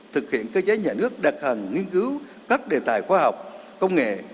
thực hiện cơ chế nhà nước đặc hành nghiên cứu các đề tài khoa học công nghệ